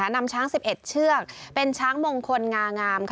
นำช้าง๑๑เชือกเป็นช้างมงคลงางาม